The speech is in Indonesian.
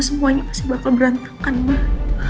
semuanya pasti bakal berantakan mah